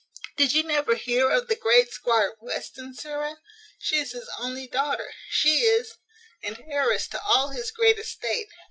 Did you never hear of the great Squire Western, sirrah? She is his only daughter; she is , and heiress to all his great estate.